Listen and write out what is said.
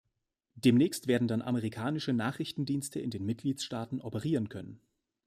Demnächst werden dann amerikanische Nachrichtendienste in den Mitgliedstaaten operieren können.